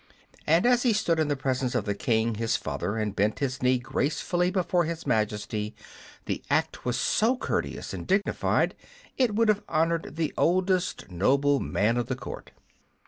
And as he stood in the presence of the King, his father, and bent his knee gracefully before His Majesty, the act was so courteous and dignified it would have honored the oldest nobleman of the court.